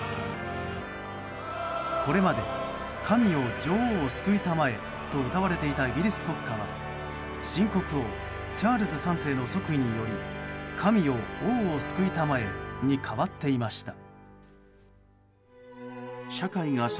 これまで「神よ女王を救いたまえ」と歌われていたイギリス国歌は新国王チャールズ３世の即位により「神よ王を救いたまえ」に変わっていました。